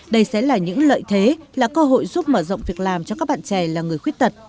đây sẽ là những lợi thế là cơ hội giúp mở rộng việc làm cho các bạn trẻ là người khuyết tật